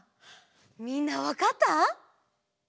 みんなわかった？